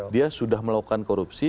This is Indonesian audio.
dia sudah melakukan korupsi